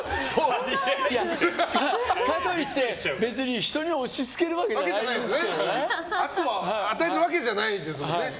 かといって、別に人に押し付けるわけじゃ圧を与えるわけじゃないですもんね。